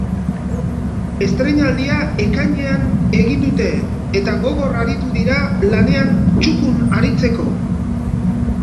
Estreinaldia ekainean egin dute, eta gogor aritu dira lanean txukun aritzeko.